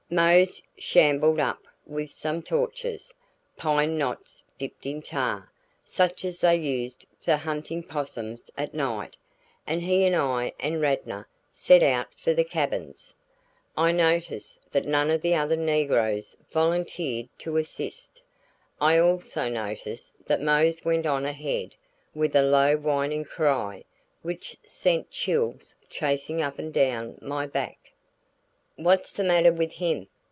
Mose shambled up with some torches pine knots dipped in tar, such as they used for hunting 'possums at night, and he and I and Radnor set out for the cabins. I noticed that none of the other negroes volunteered to assist; I also noticed that Mose went on ahead with a low whining cry which sent chills chasing up and down my back. "What's the matter with him?"